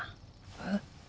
えっ？